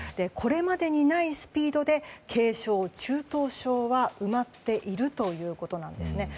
これまでにないスピードで軽症・中等症は埋まっているということなんです。